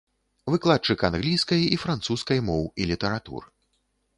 Выкладчык англійскай і французскай моў і літаратур.